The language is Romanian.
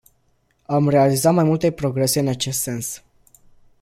Am realizat multe progrese în acest sens.